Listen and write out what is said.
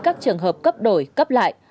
các trường hợp cấp đổi cấp lại